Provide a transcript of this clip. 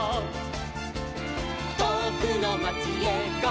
「とおくのまちへゴー！